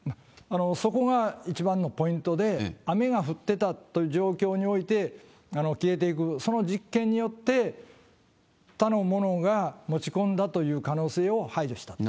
そこが一番のポイントで、雨が降っていたという状況において、消えていく、その実験によって、他の者が持ち込んだという可能性を排除したと。